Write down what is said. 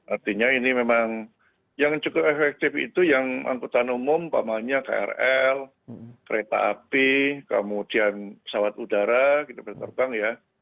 artinya ini memang yang cukup efektif itu yang angkutan umumnya krl kereta api kemudian pesawat udara gitu berterbang ya